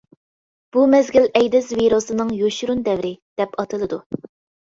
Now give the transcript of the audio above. بۇ مەزگىل ئەيدىز ۋىرۇسىنىڭ يوشۇرۇن دەۋرى، دەپ ئاتىلىدۇ.